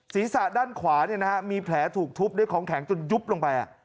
ศรีศาสตร์ด้านขวาเนี่ยนะฮะมีแผลถูกทุบด้วยของแข็งจนยุบลงไปอ่ะ